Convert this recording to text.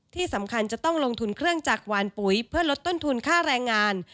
ที่สำคัญจะต้องลงทุนเครื่องจักรวานปุ๋ยเพื่อลดต้นทุนค่าแรงงาน